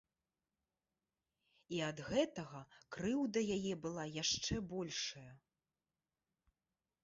І ад гэтага крыўда яе была яшчэ большая.